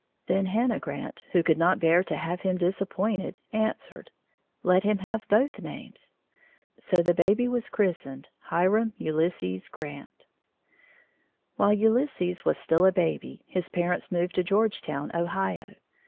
Then Hannah Grant, who could not bear to have him disappointed, answered: "Let him have both names!" So the baby was christened Hiram Ulysses Grant. While Ulysses was still a baby, his parents moved to Georgetown, Ohio.